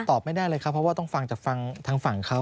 ตอบไม่ได้เลยครับเพราะว่าต้องฟังจากฟังทางฝั่งเขา